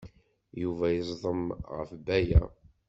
Yuba yeẓdem ɣef Baya.